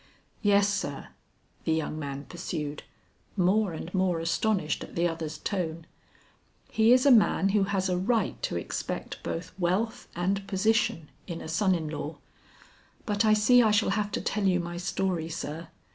"Yes, sir," the young man pursued, more and more astonished at the other's tone. "He is a man who has a right to expect both wealth and position in a son in law. But I see I shall have to tell you my story, sir.